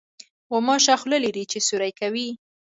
غوماشه خوله لري چې سوري کوي.